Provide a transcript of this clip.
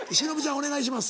お願いします。